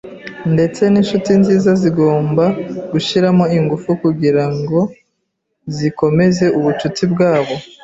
Ndetse ninshuti nziza zigomba gushyiramo ingufu kugirango zikomeze ubucuti bwabo.